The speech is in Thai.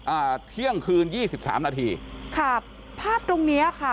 อ่าเที่ยงคืนยี่สิบสามนาทีค่ะภาพตรงเนี้ยค่ะ